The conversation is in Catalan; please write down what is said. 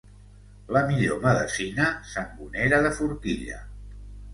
La millor medecina, sangonera de forquilla.